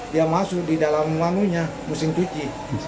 dia masuk di dalam manunya mesin cuci